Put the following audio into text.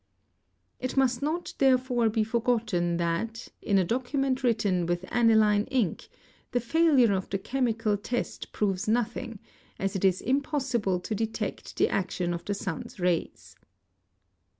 It must not therefore be forgotten that, in a 'document written with aniline ink, the failure of the chemical test proves nothing, as it is impossible to detect the action of the sun's rays "1.